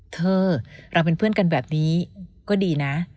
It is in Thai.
เธอเราเป็นเพื่อนกันแบบนี้ก็ดีนะ